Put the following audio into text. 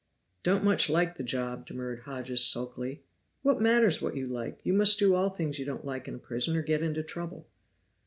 "Don't much like the job," demurred Hodges sulkily. "What matters what you like? You must all do things you don't like in a prison, or get into trouble."